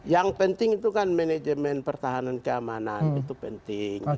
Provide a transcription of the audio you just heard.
yang penting itu kan manajemen pertahanan keamanan itu penting